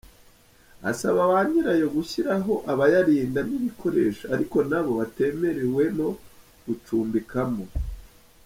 Asaba bayirayo gushyiraho abayarinda n’ibikoresho ariko nabo batemerewemo gucumbikamo.